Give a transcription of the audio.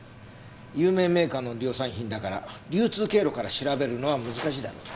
有名メーカーの量産品だから流通経路から調べるのは難しいだろうな。